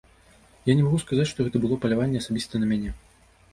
Я не магу сказаць, што гэта было паляванне асабіста на мяне.